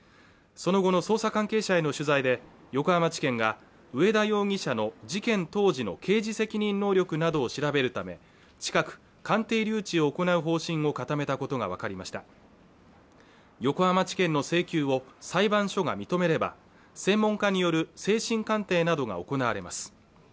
その後の捜査関係者への取材で横浜地検が上田容疑者の事件当時の刑事責任能力などを調べるため近く鑑定留置を行う方針を固めたことが分かりました横浜地検の請求を裁判所が認めれば専門家による精神鑑定などが行われます